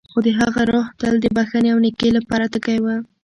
خو د هغه روح تل د بښنې او نېکۍ لپاره تږی و.